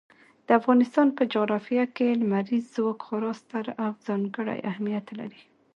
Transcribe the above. د افغانستان په جغرافیه کې لمریز ځواک خورا ستر او ځانګړی اهمیت لري.